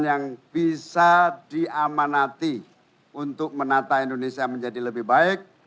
yang bisa diamanati untuk menata indonesia menjadi lebih baik